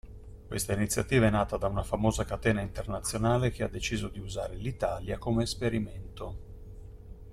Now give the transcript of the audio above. Questa iniziativa è nata da una famosa catena internazionale che ha deciso di usare l'Italia come esperimento.